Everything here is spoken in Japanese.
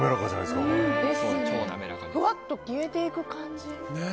ふわっと消えていく感じ。